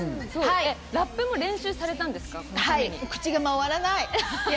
ラップも練習されたんですか？